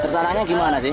tertanaknya gimana sih